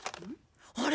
あれ！？